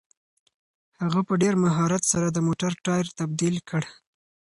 هغه په ډېر مهارت سره د موټر ټایر تبدیل کړ.